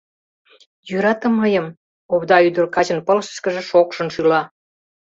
— Йӧрате мыйым... — овда ӱдыр качын пылышышкыже шокшын шӱла.